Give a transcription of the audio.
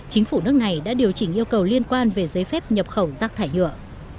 chính phủ nước này đã điều chỉnh yêu cầu liên quan về giấy phép nhập khẩu rác thải nhựa